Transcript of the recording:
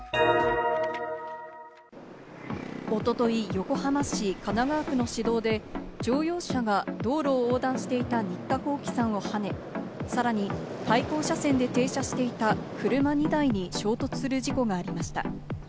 おととい、横浜市神奈川区の市道で乗用車が道路を横断していた新田皓輝さんをはね、さらに対向車線で停車していた車２台に衝突する事故がありました。